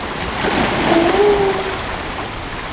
Fue así mismo maestro de Marcos Laborda y Francisco Fernández Caro.